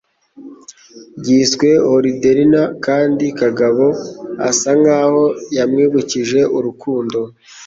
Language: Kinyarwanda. Yiswe Hodierna kandi Kagabo asa nkaho yamwibukije urukundo